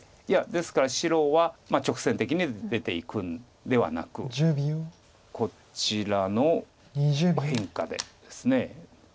いやですから白は直線的に出ていくんではなくこちらの変化でです。